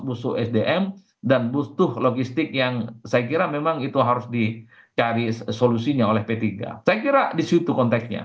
butuh sdm dan butuh logistik yang saya kira memang itu harus dicari solusinya oleh p tiga saya kira disitu konteksnya